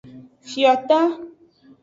Fiota.